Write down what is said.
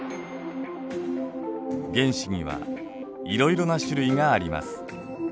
原子にはいろいろな種類があります。